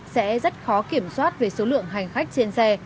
sẽ rất khó kiểm soát về số lượng hành khách trên xe